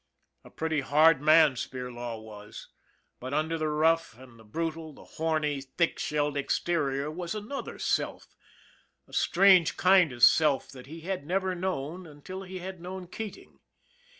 '* A pretty hard man Spirlaw was, but under the rough and the brutal, the horny, thick shelled exterior was another self, a strange side of self that he had never known until he had known Keating.